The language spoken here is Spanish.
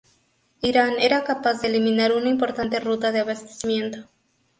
Irán era capaz de eliminar una importante ruta de abastecimiento.